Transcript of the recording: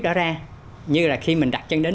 đó ra như là khi mình đặt chân đến